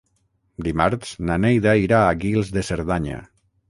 Dimarts na Neida irà a Guils de Cerdanya.